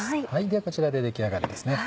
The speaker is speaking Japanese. ではこちらで出来上がりですね。